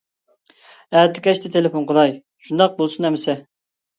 ئەتە كەچتە تېلېفون قىلاي. شۇنداق بولسۇن ئەمىسە.